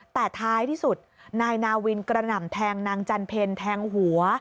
แต่ท้ายที่สุดนายนาวินกระหน่ำแทงนางจันเพลแทงหัว